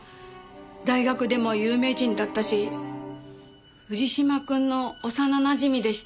大学でも有名人だったし藤島くんの幼なじみでしたから。